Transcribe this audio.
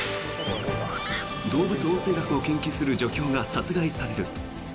動物音声学を研究する助教が殺害される。